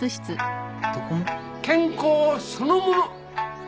健康そのもの。